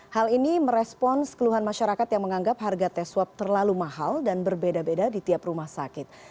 hal ini merespons keluhan masyarakat yang menganggap harga tes swab terlalu mahal dan berbeda beda di tiap rumah sakit